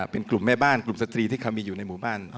เป็นกลุ่มแม่บ้านกลุ่มสตรีที่เขามีอยู่ในหมู่บ้าน